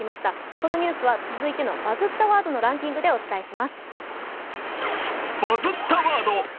このニュースは続いての「バズったワード」のランキングでお伝えします。